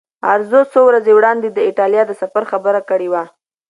ارزو څو ورځې وړاندې د ایټالیا د سفر خبره کړې وه.